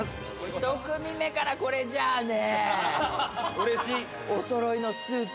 １組目からこれじゃあね。